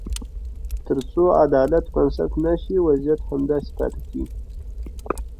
تر څو عدالت بنسټ نه شي، وضعیت همداسې پاتې کېږي.